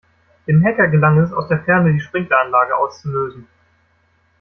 Dem Hacker gelang es, aus der Ferne die Sprinkleranlage auszulösen.